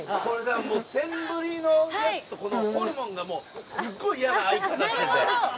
センブリのやつとホルモンがすごい嫌な合い方してて。